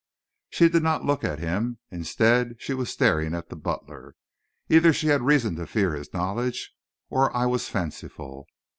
She did not look at him. Instead, she was staring at the butler. Either she had reason to fear his knowledge, or I was fanciful.